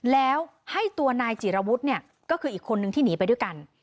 แล้วให้ตัวนายจิรวุฒิเนี่ยก็คืออีกคนนึงที่หนีไปด้วยกัน